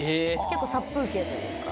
結構殺風景というか。